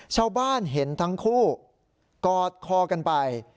ชาวบ้านเห็นทั้งคู่กอดคอกันไป